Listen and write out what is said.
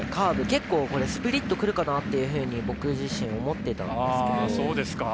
結構、スプリットくるかなと僕自身思ってたんですけど